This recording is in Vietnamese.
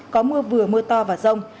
có mưa vừa mưa to và rông